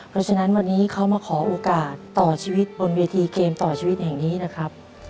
เพราะฉะนั้นวันนี้เขามาขอโอกาสต่อชีวิตบนเวทีเกมต่อชีวิตแห่งนี้นะครับ